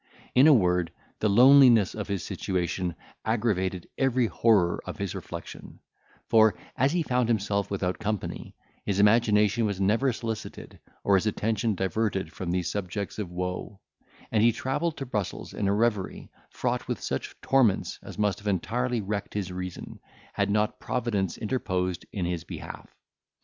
In a word, the loneliness of his situation aggravated every horror of his reflection; for, as he found himself without company, his imagination was never solicited, or his attention diverted from these subjects of woe; and he travelled to Brussels in a reverie, fraught with such torments as must have entirely wrecked his reason, had not Providence interposed in his behalf.